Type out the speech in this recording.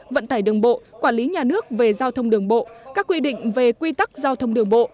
vận tải đường bộ quản lý nhà nước về giao thông đường bộ các quy định về quy tắc giao thông đường bộ